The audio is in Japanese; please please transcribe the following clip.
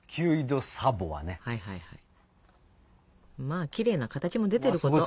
まあきれいな形も出てること。